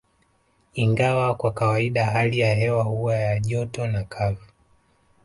Ingawa kwa kawaida hali ya hewa huwa ya joto na kavu